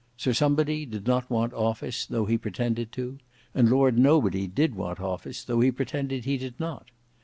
Sir Somebody did not want office, though he pretended to; and Lord Nobody did want office, though he pretended he did not.